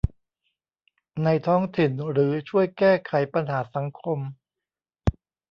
ในท้องถิ่นหรือช่วยแก้ไขปัญหาสังคม